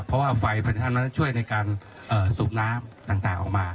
เพราะว่าไฟพญานาคนั้นช่วยในการสูบน้ำต่างออกมา